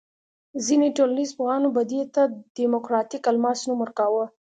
ځینې ټولنیز پوهانو به دې ته دیموکراتیک الماس نوم ورکاوه.